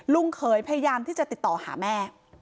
เขยพยายามที่จะติดต่อหาแม่